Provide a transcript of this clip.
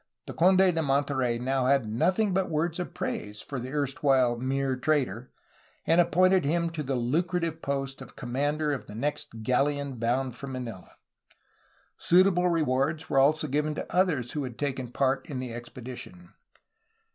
The Conde de Monterey now had nothing but words of praise for the erstwhile ''mere trader,'* and ap pointed him to the lucrative post of commander of the next galleon bound for Manila. Suitable rewards were also given to others who had taken part in the expedition.